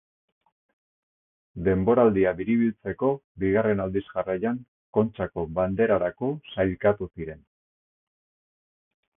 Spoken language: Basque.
Denboraldia biribiltzeko bigarren aldiz jarraian Kontxako Banderarako sailkatu ziren.